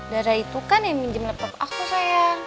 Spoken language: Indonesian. darah itu kan yang minjem laptop aku sayang